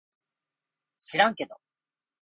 しらんけど